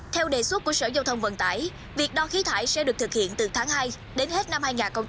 theo đề xuất của sở giao thông vận tải việc đo khí thải sẽ được thực hiện từ tháng hai đến hết năm hai nghìn hai mươi